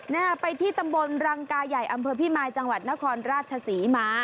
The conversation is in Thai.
นี่ค่ะไปที่ตำบลรัลงกาแย่อำเภอพี่มายจังหวัดนครราชสีมา